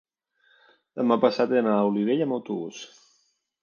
demà passat he d'anar a Olivella amb autobús.